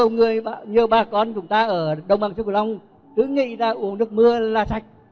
nhiều bà con chúng ta ở đông an sư cửu long cứ nghĩ ra uống nước mưa là sạch